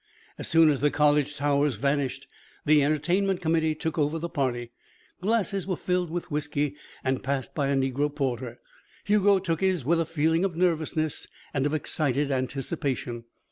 As soon as the college towers vanished, the entertainment committee took over the party. Glasses were filled with whisky and passed by a Negro porter. Hugo took his with a feeling of nervousness and of excited anticipation.